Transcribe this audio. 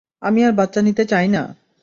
আমি আর বাচ্চা নিতে চাই না!